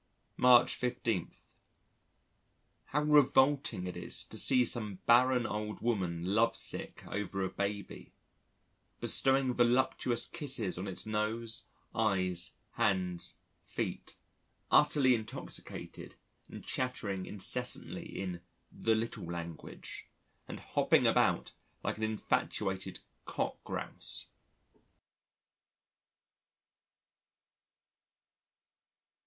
March 15. How revolting it is to see some barren old woman love sick over a baby, bestowing voluptuous kisses on its nose, eyes, hands, feet, utterly intoxicated and chattering incessantly in the "little language," and hopping about like an infatuated cock grouse.